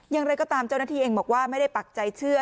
อย่างไรก็ตามเจ้าหน้าที่เองบอกว่าไม่ได้ปักใจเชื่อ